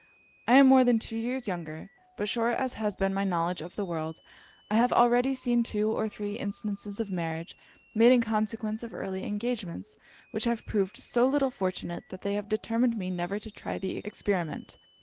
I am more than two years younger: but short as has been my knowledge of the world, I have already seen two or three instances of marriages made in consequence of early engagements, which have proved so little fortunate that they have determined me never to try the experiment.